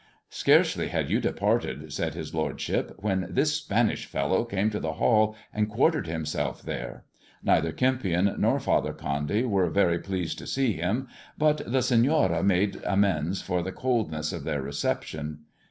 " Scarcely had you departed," said his lordship, " when this Spanish fellow came to the Hall and quartered himself there. Neither Kempion nor Father Condy were very pleased to see him, but the Seiiora made amends for the coldness of their reception.